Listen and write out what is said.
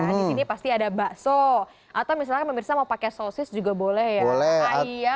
nah di sini pasti ada bakso atau misalnya pemirsa mau pakai sosis juga boleh ya